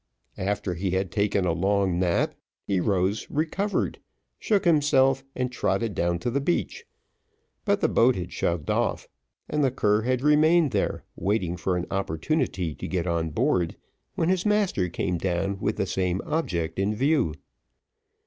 After he had taken a long nap, he rose recovered, shook himself, and trotted down to the beach, but the boat had shoved off, and the cur had remained there waiting for an opportunity to get on board, when his master came down with the same object in view.